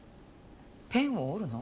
ペンを折るの？